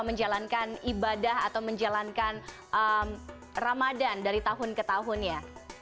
menjalankan ibadah atau menjalankan ramadan dari tahun ke tahun ya